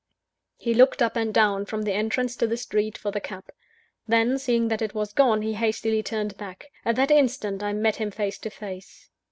He looked up and down, from the entrance to the street, for the cab. Then, seeing that it was gone, he hastily turned back. At that instant I met him face to face.